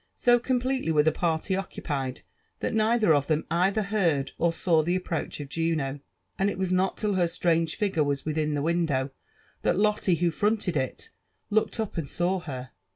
So completely were the party occupied, that neither of them either heard or saw the approach of Juno ; and it was not till her strange figure was within the window, that Lotte, who fronted it, looked up and saw her.